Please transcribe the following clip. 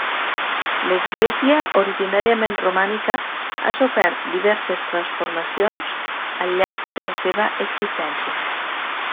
L'església, originàriament romànica, ha sofert diverses transformacions al llarg de la seva existència.